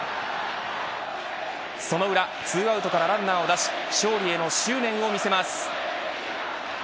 その裏、２アウトからランナーを出し勝利への執念を見せます。